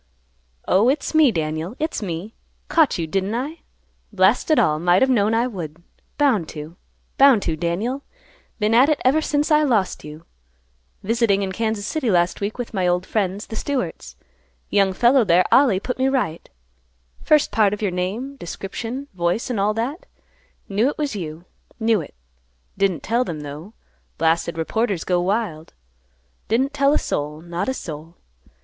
"Oh, it's me, Daniel; it's me. Caught you didn't I? Blast it all; might have known I would. Bound to; bound to, Daniel; been at it ever since I lost you. Visiting in Kansas City last week with my old friends, the Stewarts; young fellow there, Ollie, put me right. First part of your name, description, voice and all that; knew it was you; knew it. Didn't tell them, though; blasted reporters go wild. Didn't tell a soul, not a soul.